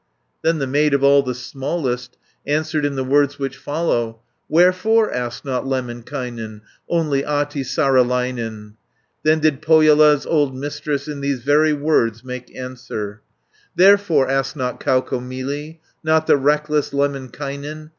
Then the maid, of all the smallest, Answered In the words which follow: "Wherefore ask not Lemminkainen, Only Ahti Saarelainen?" 580 Then did Pohjola's old Mistress, In these very words make answer: "Therefore ask not Kaukomieli, Not the reckless Lemminkainen.